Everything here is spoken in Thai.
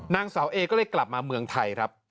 นางสาวเอก็เลยกลับมาเมืองไทยครับ